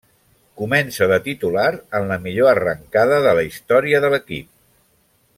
Comença de titular, en la millor arrancada de la història de l'equip.